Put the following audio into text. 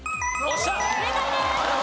正解です！